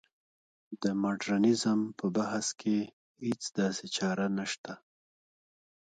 د مډرنیزم په بحث کې هېڅ داسې چاره نشته.